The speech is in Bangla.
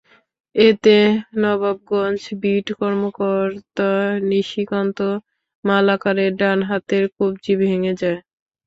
এতে নবাবগঞ্জ বিট কর্মকর্তা নিশিকান্ত মালাকারের ডান হাতের কবজি ভেঙে যায়।